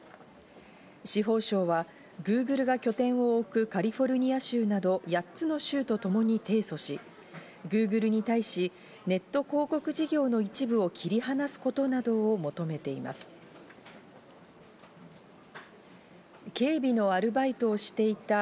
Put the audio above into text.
司法省はグーグルが拠点を置くカリフォルニア州など８つの州とともに提訴し、グーグルに対し、ネット広告事業の一部を切り離すことなどを求めています。